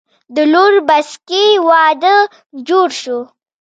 د لور بسکي وادۀ جوړ شو